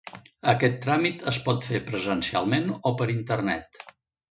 Aquest tràmit es pot fer presencialment o per internet.